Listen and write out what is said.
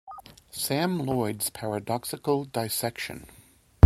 Sam Loyd's paradoxical dissection.